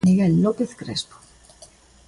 Miguel López Crespo.